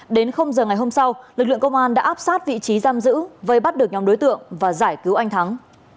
đến giờ ngày hôm sau lực lượng công an đã áp sát vị trí giam giữ vây bắt được nhóm đối tượng và giải cứu anh thắng